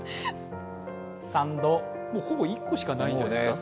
もうほぼ１個しかないんじゃないですか。